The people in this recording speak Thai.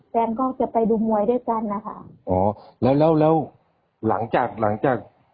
แฟนก็จะไปดูมวยด้วยกันนะคะอ๋อแล้วแล้วหลังจากหลังจาก